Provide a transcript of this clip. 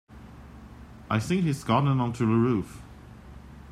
I think he's gotten on to the roof.